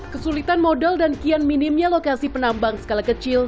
kesulitan modal dan kian minimnya lokasi penambang skala kecil